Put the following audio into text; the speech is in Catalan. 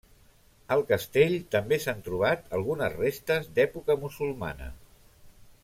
Al castell també s'han trobat algunes restes d'època musulmana.